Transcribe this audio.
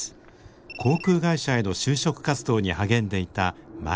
航空会社への就職活動に励んでいた舞。